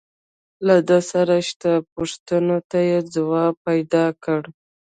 له ده سره شته پوښتنو ته يې ځواب پيدا کړ.